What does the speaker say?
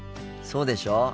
そうでしょ？